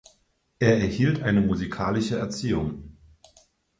Er erhielt eine musikalische Erziehung.